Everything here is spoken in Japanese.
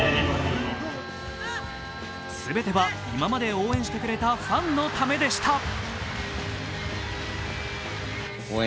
全ては今まで応援してくれたファンのためでした。